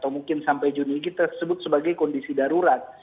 mungkin sampai juni kita sebut sebagai kondisi darurat